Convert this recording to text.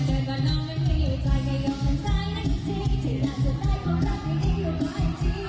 เฮ้ยป๊าปมันอยู่ทางนี้